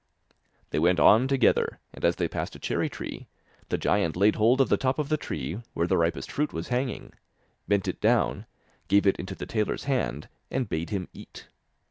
They went on together, and as they passed a cherry tree, the giant laid hold of the top of the tree where the ripest fruit was hanging, bent it down, gave it into the tailor's hand, and bade him eat.